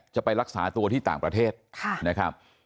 จะไปรักษาตัวที่ต่างประเทศนะครับ